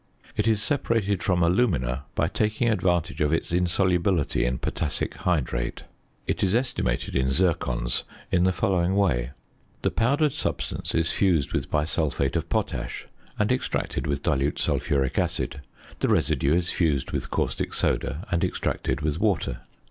It is separated from alumina by taking advantage of its insolubility in potassic hydrate. It is estimated in zircons in the following way: The powdered substance is fused with bisulphate of potash, and extracted with dilute sulphuric acid. The residue is fused with caustic soda and extracted with water.